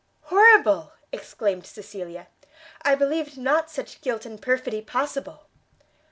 "Horrible!" exclaimed Cecilia, "I believed not such guilt and perfidy possible!"